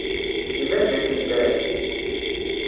Iban dakken tra-k.